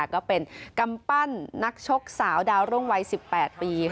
ก็เป็นกำปั้นนักชกสาวดาวรุ่งวัย๑๘ปี